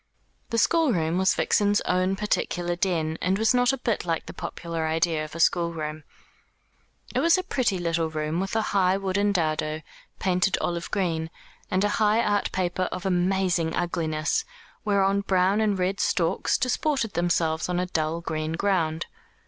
The schoolroom was Vixen's own particular den, and was not a bit like the popular idea of a schoolroom. It was a pretty little room, with a high wooden dado, painted olive green, and a high art paper of amazing ugliness, whereon brown and red storks disported themselves on a dull green ground.